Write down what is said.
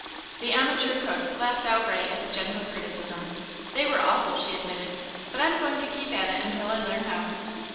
The amateur cook laughed outright at the gentle criticism. "They were awful," she admitted, "but I'm going to keep at it until I learn how."